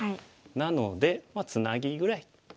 なのでツナギぐらい。